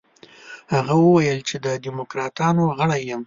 هغه وویل چې د دموکراتانو غړی یم.